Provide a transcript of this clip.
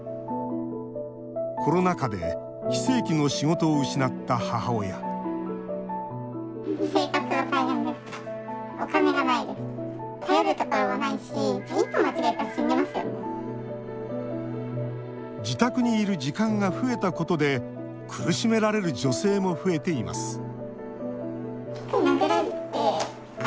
コロナ禍で非正規の仕事を失った母親自宅にいる時間が増えたことで苦しめられる女性も増えています